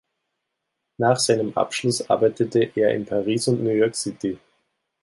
Nach seinem Abschluss arbeitete er in Paris und New York City.